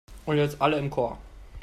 Und jetzt alle im Chor!